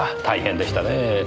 大変でしたねぇ。